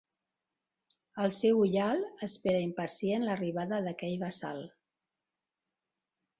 El seu ullal espera impacient l'arribada d'aquell bassal.